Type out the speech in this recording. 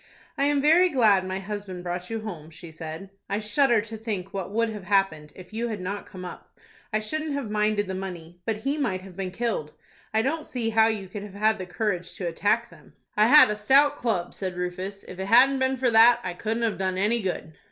"I am very glad my husband brought you home," she said. "I shudder to think what would have happened, if you had not come up. I shouldn't have minded the money; but he might have been killed. I don't see how you could have had the courage to attack them." "I had a stout club," said Rufus; "if it hadn't been for that, I couldn't have done any good."